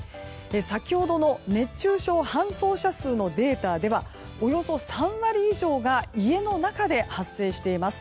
先ほどの熱中症搬送者数のデータではおよそ３割以上が家の中で発生しています。